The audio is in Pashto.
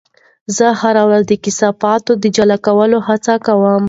زه هره ورځ د کثافاتو د جلا کولو هڅه کوم.